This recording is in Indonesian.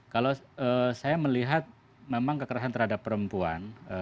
kalau saya melihat memang kekerasan terhadap perempuan